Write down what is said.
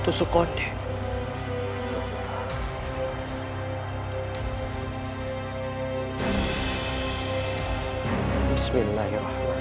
aku bisa lihat kebanyakan keadaan aku bisa lihat kebanyakan keadaan